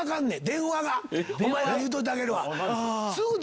お前らに言うといてあげるわ。